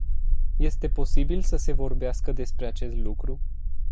Este posibil să se vorbească despre acest lucru?